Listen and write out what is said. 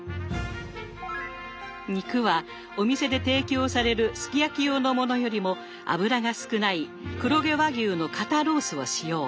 肉はお店で提供されるすき焼き用のものよりも脂が少ない黒毛和牛の肩ロースを使用。